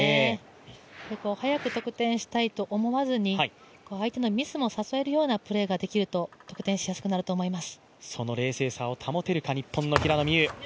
早く得点したいと思わずに相手のミスも誘えるようなプレーができると得点しやすくなると思います。